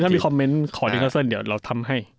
ถ้ามีคอมเมนต์ขอดิคาเซิลเดี๋ยวเราทำให้